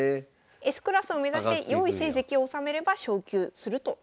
Ｓクラスを目指して良い成績を収めれば昇級するという感じです。